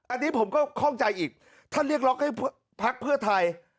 อันนี้ผมก็คล่องใจอีกถ้าเรียกล็อกให้พักเพื่อไทย